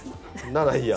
ならいいや。